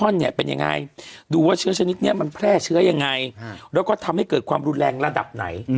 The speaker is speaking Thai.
แล้วก็ทำให้เกิดความรุนแรงระดับไหน